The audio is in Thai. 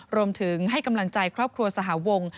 รวมถึงให้กำลังใจครอบครัวสหวง